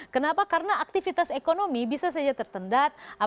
kenapa karena aktivitas ekonomi bisa saja tertendat